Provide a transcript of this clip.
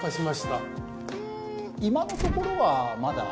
うーん今のところはまだ。